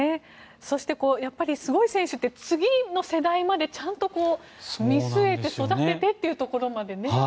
そして、すごい選手って次の世代までちゃんと見据えて育ててというところまでね。